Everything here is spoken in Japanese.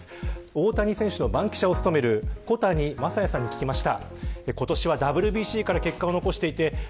大谷選手の番記者を務める小谷真弥さんに聞きました。